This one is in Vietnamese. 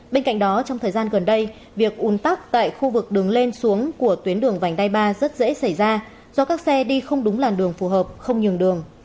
bên cạnh đó trong thời gian gần đây việc un tắc tại khu vực đường lên xuống của tuyến đường vành đai ba rất dễ xảy ra do các xe đi không đúng làn đường phù hợp không nhường đường